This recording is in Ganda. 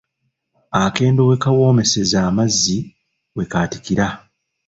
Akendo we kawoomeseza amazzi, we kaatikira.